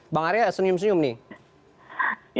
bang arya senyum senyum nih